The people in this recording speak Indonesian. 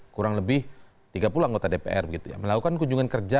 kurang lebih tiga puluh anggota dpr melakukan kunjungan kerja